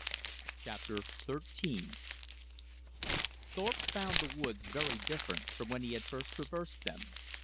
Chapter XIII Thorpe found the woods very different from when he had first traversed them.